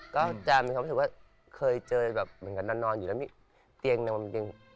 ก็จะมีความรู้สึกว่าเคยเจอแบบเหมือนกับนอนอยู่แล้วมีเตียงหนึ่งมันเตียง